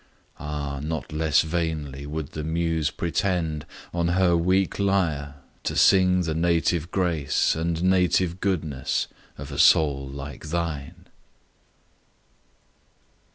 Ah! not less vainly would the Muse pretend, On her weak lyre, to sing the native grace And native goodness of a soul like thine!